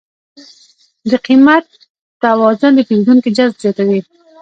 د قیمت توازن د پیرودونکو جذب زیاتوي.